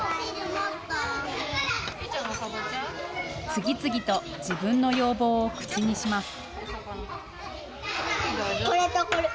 次々と自分の要望を口にします。